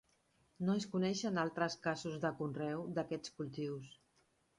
No es coneixen altres casos de conreu d'aquests cultius.